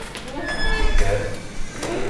Ansi-kem?